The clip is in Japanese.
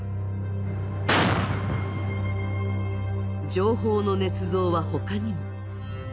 情報のねつ造は他にも。